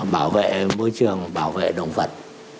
bảo vệ môi trường bảo vệ động vật